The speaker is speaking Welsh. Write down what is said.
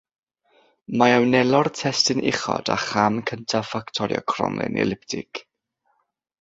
Mae a wnelo'r testun uchod â cham cyntaf ffactorio cromlin eliptig.